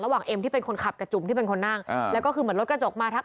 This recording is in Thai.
เอ็มที่เป็นคนขับกับจุ่มที่เป็นคนนั่งแล้วก็คือเหมือนรถกระจกมาทัก